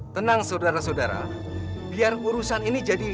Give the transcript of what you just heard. tenang saudara saudara biar urusan ini jadi